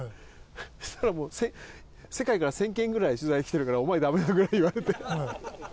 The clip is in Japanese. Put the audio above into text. そしたらもう世界から１０００件ぐらい取材来てるから「お前ダメだ」ぐらい言われて。